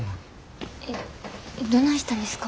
えっどないしたんですか？